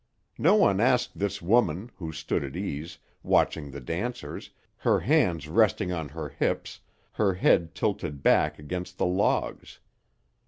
No one asked this woman, who stood at ease, watching the dancers, her hands resting on her hips, her head tilted back against the logs.